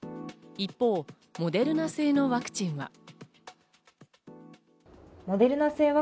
一方、モデルナ製のワクチンは。